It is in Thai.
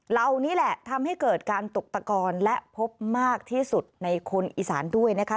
เหล่านี้แหละทำให้เกิดการตกตะกอนและพบมากที่สุดในคนอีสานด้วยนะคะ